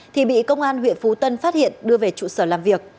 thì bị công an huyện phú tân phát hiện đưa về trụ sở làm việc